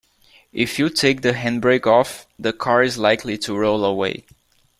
If you take the handbrake off, the car is likely to roll away